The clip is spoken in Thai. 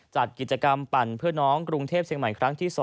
จัดกิจกรรมปั่นเพื่อน้องกรุงเทพเชียงใหม่ครั้งที่๒